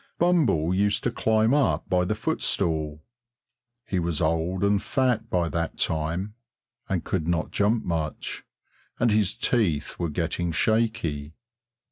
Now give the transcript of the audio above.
Bumble used to climb up by the footstool he was old and fat by that time, and could not jump much, and his teeth were getting shaky.